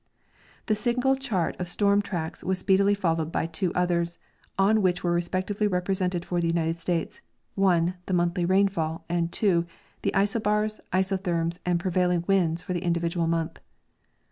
The single chart of storm tracks was speedily followed by two others, on which were respectively represented for the United States (1) the monthly rainfall, and (2) the isobars, isotherms and prevailing winds for the individual month.